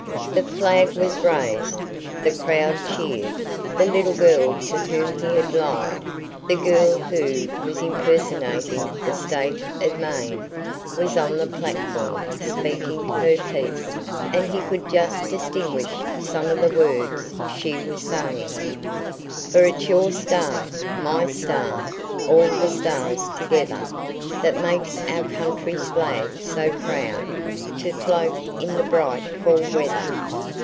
The flag was raised, the crowd cheered, the little girl to whom he had lied, the girl who was impersonating the State of Maine, was on the platform "speaking her piece," and he could just distinguish some of the words she was saying: "For it's your star, my star, all the stars together, That makes our country's flag so proud To float in the bright fall weather."